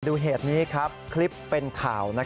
เหตุนี้ครับคลิปเป็นข่าว